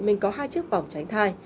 mình có hai chiếc vòng tránh thai